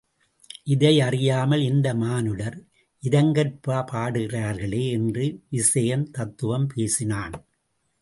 இதை அறியாமல் இந்த மானுடர் இரங்கற்பா பாடுகிறார்களே! என்று விசயன் தத்துவம் பேசினான்.